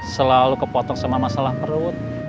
selalu kepotong sama masalah perut